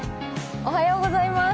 おはようございます。